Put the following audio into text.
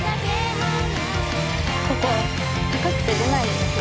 ここ高くて出ないんです。